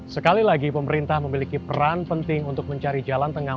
sekali lagi pemerintah memiliki peran penting untuk mencari jalan tengah